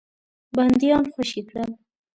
بندیان خوشي کړل.